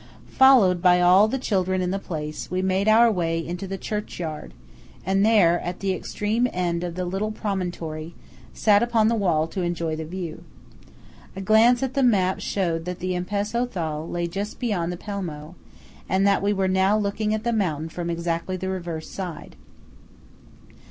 Followed by all the children in the place, we made our way into the churchyard, and there, at the extreme end of the little promentory, sat upon the wall to enjoy the view. A glance at the map showed that the Ampezzo Thal lay just beyond the Pelmo, and that we were now looking at the mountain from exactly the reverse side.